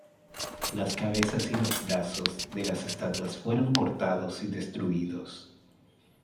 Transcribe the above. Las cabezas y los brazos de las estatuas fueron cortados y destruidos.